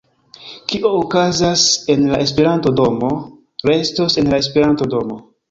Kio okazas en la Esperanto-domo, restos en la Esperanto-domo